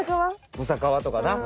ブサカワとかな。